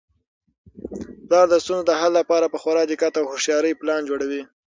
پلار د ستونزو د حل لپاره په خورا دقت او هوښیارۍ پلان جوړوي.